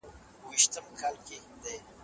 په یوه لیدو په زړه باندي خوږ من سو